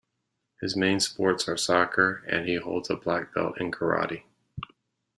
His main sports are soccer and he holds a black belt in karate.